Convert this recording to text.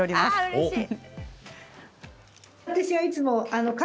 うれしい。